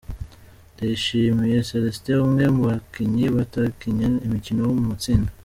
Ndayishimiye Celestin umwe mu bakinnyi batakinnye umukino wo mu matsinda .